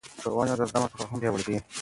ښوونه زغم او تفاهم پیاوړی کوي